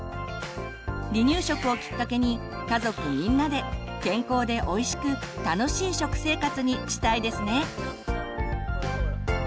離乳食をきっかけに家族みんなで健康でおいしく楽しい食生活にしたいですね。